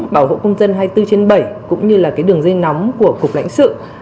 bảo hộ công dân hai mươi bốn trên bảy cũng như là cái đường dây nóng của cục lãnh sự